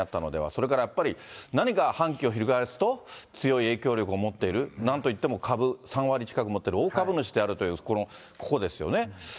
それからやっぱり、何か反旗を翻すと、強い影響力を持っている、なんといっても株、３割近く持っている大株主であると、この、ここですよね。